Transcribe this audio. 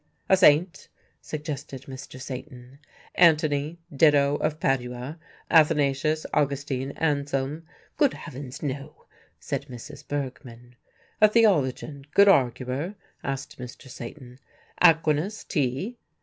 "A Saint?" suggested Mr. Satan, "Antony, Ditto of Padua, Athanasius, Augustine, Anselm?" "Good heavens, no," said Mrs. Bergmann. "A Theologian, good arguer?" asked Mr. Satan, "Aquinas, T?"